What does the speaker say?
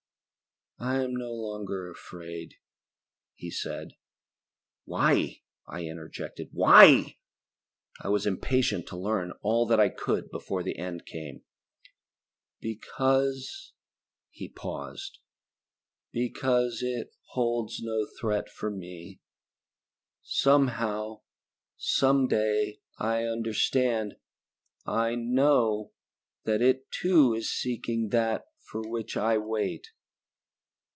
"I am no longer afraid," he said. "Why?" I interjected. "Why?" I was impatient to learn all that I could before the end came. "Because ..." He paused. "Because it holds no threat for me. Somehow, someday, I understand I know that it too is seeking that for which I wait."